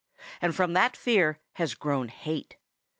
And from that fear has grown hate.